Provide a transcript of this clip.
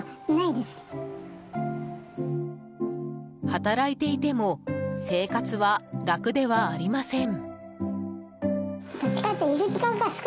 働いていても生活は楽ではありません。